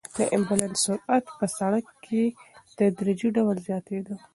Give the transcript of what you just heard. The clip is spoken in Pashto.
د امبولانس سرعت په سړک کې په تدریجي ډول زیاتېده.